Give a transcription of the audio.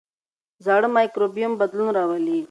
زاړه مایکروبیوم بدلون راولي.